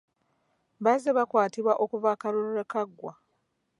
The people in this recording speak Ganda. Bazze bakwatibwa okuva akalulu lwe kaggwa.